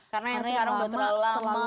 karena yang sekarang sudah terlalu lama